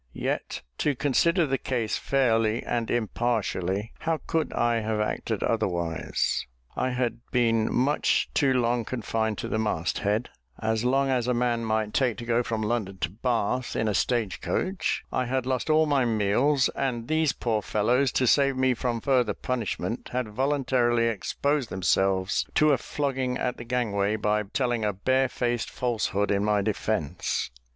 Yet, to consider the case fairly and impartially, how could I have acted otherwise? I had been much too long confined to the mast head as long as a man might take to go from London to Bath in a stagecoach; I had lost all my meals; and these poor fellows, to save me from further punishment, had voluntarily exposed themselves to a flogging at the gangway by telling a barefaced falsehood in my defence.